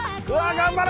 頑張れ！